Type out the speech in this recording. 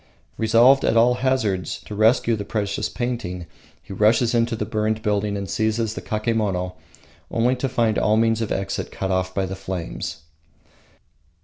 Resolved at all hazards to rescue the precious painting, he rushes into the burning building and seizes the kakemono, only to find all means of exit cut off by the flames.